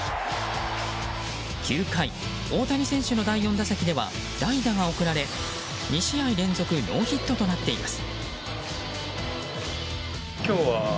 ９回、大谷選手の第４打席では代打が送られ２試合連続ノーヒットとなっています。